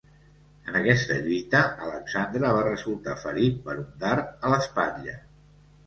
En aquesta lluita, Alexandre va resultar ferit per un dard a l'espatlla.